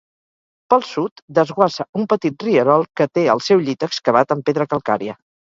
Pel sud, desguassa un petit rierol que té el seu llit excavat en pedra calcària.